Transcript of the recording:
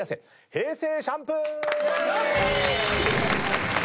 平成シャンプー！